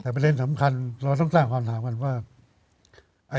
แต่ประเด็นสำคัญเราต้องสร้างความถามกันว่า